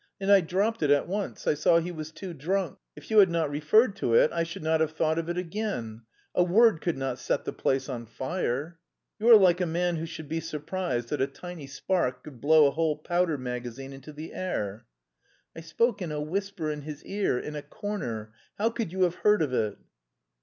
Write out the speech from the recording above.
And I dropped it at once; I saw he was too drunk. If you had not referred to it I should not have thought of it again. A word could not set the place on fire." "You are like a man who should be surprised that a tiny spark could blow a whole powder magazine into the air." "I spoke in a whisper in his ear, in a corner; how could you have heard of it?"